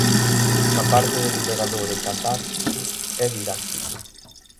Á parte de liberador e catártico, é didáctico.